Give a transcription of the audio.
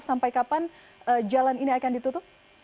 sampai kapan jalan ini akan ditutup